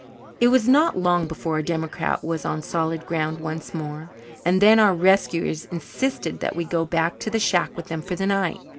It was not long before our democrat was on solid ground once more, and then our rescuers insisted that we go back to the shack with them for the night.